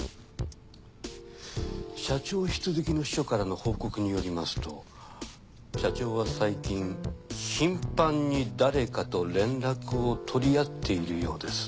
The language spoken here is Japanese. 社長室付きの秘書からの報告によりますと社長は最近頻繁に誰かと連絡を取り合っているようです。